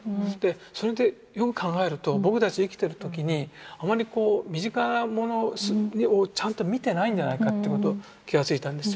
それってよく考えると僕たち生きてる時にあまりこう身近なものをちゃんと見てないんじゃないかってこと気が付いたんですよね。